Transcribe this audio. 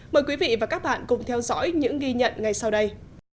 mời quý vị và các bạn cùng theo dõi những ghi nhận ngay sau đây